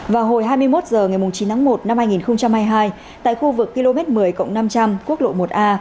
vào hồi hai mươi một h ngày chín tháng một năm hai nghìn hai mươi hai tại khu vực km một mươi năm trăm linh quốc lộ một a